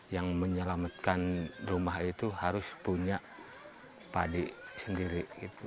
yang menyelamatkan rumah itu harus punya padi sendiri